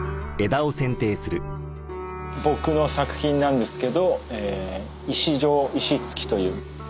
僕の作品なんですけど石上石附という。